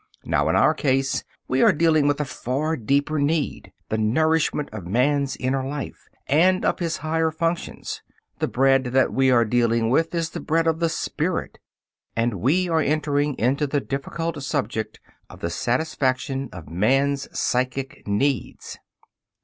Now, in our case, we are dealing with a far deeper need the nourishment of man's inner life, and of his higher functions. The bread that we are dealing with is the bread of the spirit, and we are entering into the difficult subject of the satisfaction of man's psychic needs.